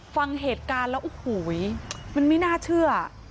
ฟังเหตุการณ์แล้วโอ้โหมันไม่น่าเชื่อ